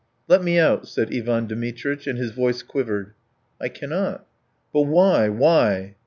"Let me out," said Ivan Dmitritch, and his voice quivered. "I cannot." "But why, why?"